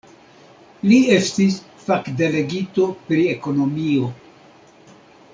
Li estis fakdelegito pri ekonomio.